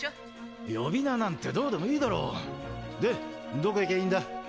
どこ行きゃいいんだ？